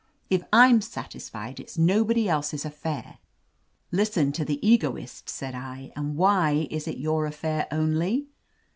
If I'm satisfied, it's nobody else's affair." "Listen to tlie^ egoist !" said I. "And why is it your aflfair only."